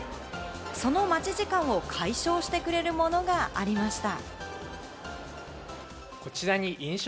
その待ち時間を解消してくれるものがありました。